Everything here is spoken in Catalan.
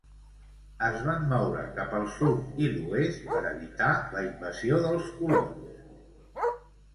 Es van moure cap al sud i l'oest per evitar la invasió dels colons.